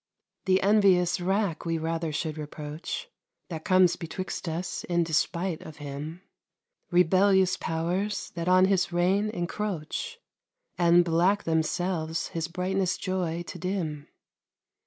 The envious rack we rather should reproach, That comes betwixt us in despite of him, Rebellious powers, that on his reign encroach, And, black themselves, his brightness joy to dim.